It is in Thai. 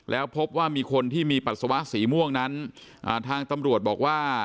แล้วพบว่ามีคนที่มีปัสสาวะสีม่วงนั้นทางตำรวจบอกว่า